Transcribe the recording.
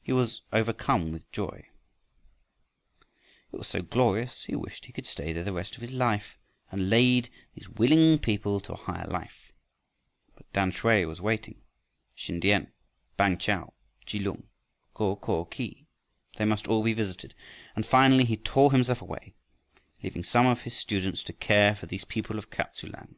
He was overcome with joy. It was so glorious he wished he could stay there the rest of his life and lead these willing people to a higher life. But Tamsui was waiting; Sin tiam, Bang kah, Kelung, Go ko khi, they must all be visited; and finally he tore himself away, leaving some of his students to care for these people of Kap tsu lan.